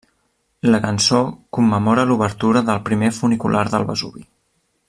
La cançó commemora l'obertura del primer funicular del Vesuvi.